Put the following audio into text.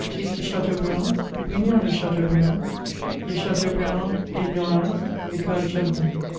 53 tiste de Chateaubriand^ Brignon de Chateaubriand* de Chateau briand et Nouail, Vicar General."